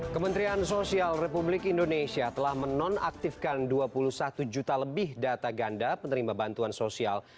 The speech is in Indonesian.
kementerian sosial republik indonesia telah menonaktifkan dua puluh satu juta lebih data ganda penerima bantuan sosial